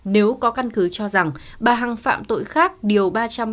nếu có căn cứ cho rằng bà hằng phạm tội khác điều ba trăm ba mươi